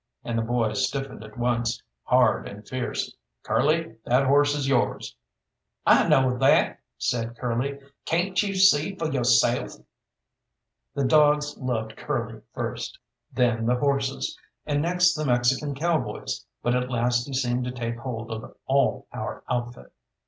And the boy stiffened at once, hard and fierce. "Curly, that horse is yours." "I know that!" said Curly; "cayn't you see fo' yo'self?" The dogs loved Curly first, then the horses, and next the Mexican cowboys, but at last he seemed to take hold of all our outfit.